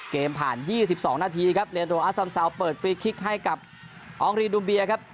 ผ่าน๒๒นาทีครับเรนโดอาซัมซาวเปิดฟรีคลิกให้กับอองรีดูมเบียครับ